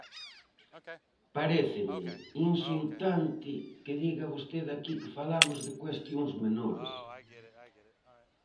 Paréceme insultante que diga vostede aquí que falamos de cuestións menores.